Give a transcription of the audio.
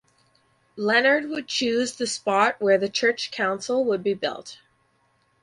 Leonard would choose the spot where the church council would be built.